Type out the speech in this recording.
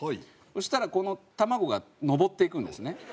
そしたらこの卵が登っていくんですね。